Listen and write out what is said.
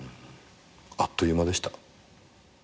あっという間でした？